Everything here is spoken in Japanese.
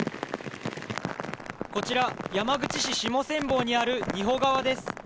こちら山口市しもせんぼうにある仁保川です。